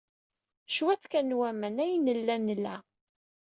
Cwiṭ kan n waman ay nella nla.